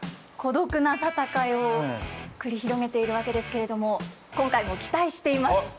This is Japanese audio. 孤独な戦いを繰り広げているわけですけれども今回も期待しています。